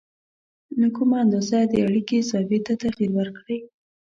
نو کمه اندازه د اړیکې زاویې ته تغیر ورکړئ